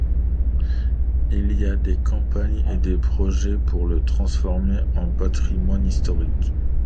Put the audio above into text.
Il y a des campagnes et des projets pour le transformer en partrimoine historique.